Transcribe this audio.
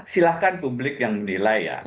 silahkan publik yang menilai ya